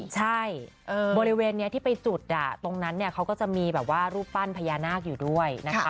ใช่บริเวณนี้ที่ไปจุดตรงนั้นเนี่ยเขาก็จะมีแบบว่ารูปปั้นพญานาคอยู่ด้วยนะคะ